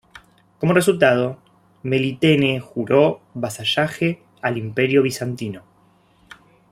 Como resultado, Melitene juró vasallaje al Imperio bizantino.